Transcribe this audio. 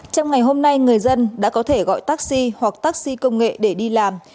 trong ngày hôm nay người dân đã có thể gọi taxi hoặc taxi công nghệ để đi làm